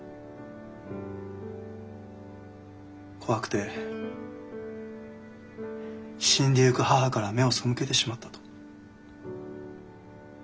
怖くて死んでいく母から目を背けてしまったと。